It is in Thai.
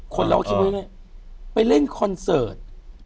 คนเล่าว่าไปเล่นคอนเสิร์ต